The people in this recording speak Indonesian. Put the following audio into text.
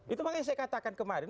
itu makanya saya katakan kemarin